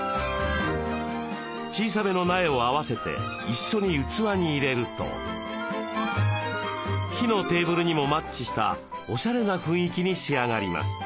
小さめの苗を合わせて一緒に器に入れると木のテーブルにもマッチしたおしゃれな雰囲気に仕上がります。